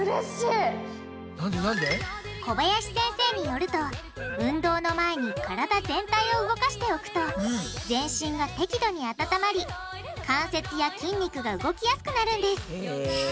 小林先生によると運動の前に体全体を動かしておくと全身が適度に温まり関節や筋肉が動きやすくなるんですへぇ。